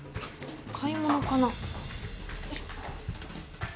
買い物かな？